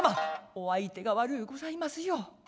お相手が悪うございますよ。